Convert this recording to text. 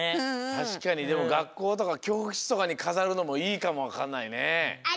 たしかにでもがっこうとかきょうしつとかにかざるのもいいかもわかんないね。